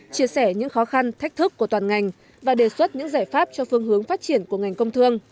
chia sẻ những khó khăn thách thức của toàn ngành và đề xuất những giải pháp cho phương hướng phát triển của ngành công thương